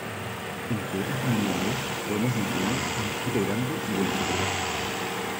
Entre otras comunidades podemos mencionar a Mezquite Grande y Buenos Aires.